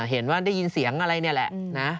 เห็นว่าได้ยินเสียงอะไรเนี่ยแหละนะ